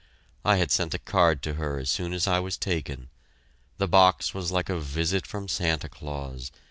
I had sent a card to her as soon as I was taken. The box was like a visit from Santa Claus.